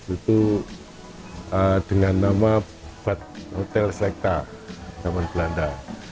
itu dengan nama hotel selekta zaman belanda